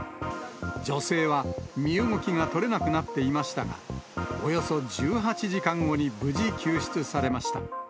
女性は、身動きが取れなくなっていましたが、およそ１８時間後に無事救出されました。